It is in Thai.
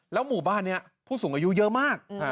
แล้วหมู่บ้านเนี่ยผู้สูงอายุเยอะมาก